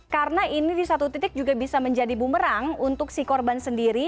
karena ini di satu titik juga bisa menjadi bumerang untuk si korban sendiri